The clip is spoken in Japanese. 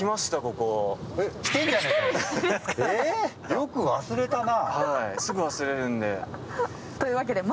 よく忘れたな。